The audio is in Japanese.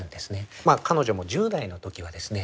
彼女も１０代の時はですね